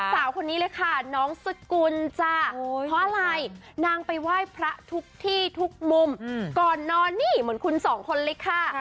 สาวคนนี้เลยค่ะน้องสกุลจ้ะเพราะอะไรนางไปไหว้พระทุกที่ทุกมุมก่อนนอนนี่เหมือนคุณสองคนเลยค่ะ